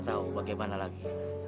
kami gak tau bagaimana lagi